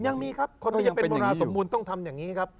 ยังมีครับคนที่จะเป็นบุราสมบูรณ์ต้องทำอย่างนี้ครับ